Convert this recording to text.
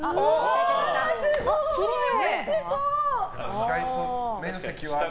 意外と面積はある。